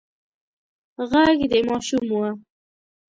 غږ د ماشوم و.